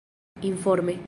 informe